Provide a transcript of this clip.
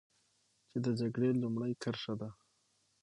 چې د جګړې لومړۍ کرښه ده.